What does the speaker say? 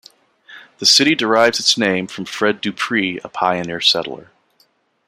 The city derives its name from Fred Dupris, a pioneer settler.